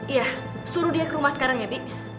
iya suruh dia ke rumah sekarang ya bi